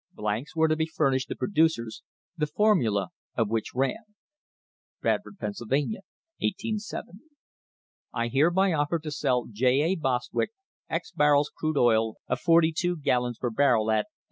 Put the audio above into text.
Blanks were to be fur nished the producers, the formula of which ran: Bradford, Pennsylvania, 187 .. I hereby offer to sell J. A. Bostwick barrels crude oil, of forty two gallons per barrel, at